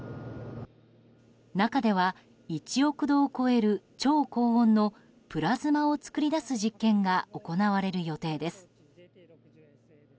中では１億度を超える超高温のプラズマを作り出す実験が行われる予定です。